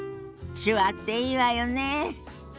手話っていいわよねえ。